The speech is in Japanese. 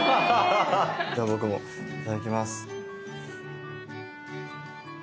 じゃあ僕もいただきます。